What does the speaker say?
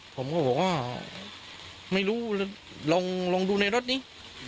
ผมก็บอกว่าไม่รู้ลองดูในรถนี้